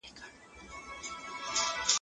د ارغنداب سیند اوبه د زراعتي پرمختګ اساس ګڼل کېږي.